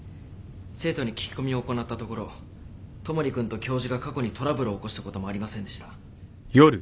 生徒に聞き込みを行ったところ戸守君と教授が過去にトラブルを起こしたこともありませんでした。